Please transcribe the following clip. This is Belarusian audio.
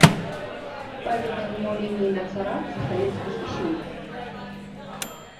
Правільнае вымаўленне імя цара застаецца дыскусійным.